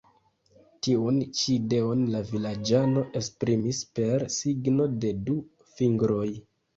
Tiun ĉi ideon la vilaĝano esprimis per signo de du fingroj.